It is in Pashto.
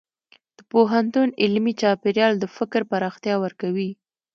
د پوهنتون علمي چاپېریال د فکر پراختیا ورکوي.